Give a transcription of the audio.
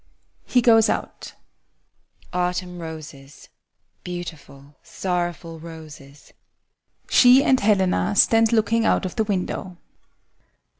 [He goes out.] SONIA. Autumn roses, beautiful, sorrowful roses! [She and HELENA stand looking out of the window.